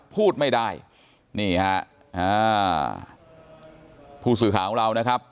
พูดไม่ได้นี่ฮะอ่าผู้สื่อข่าวของเรานะครับ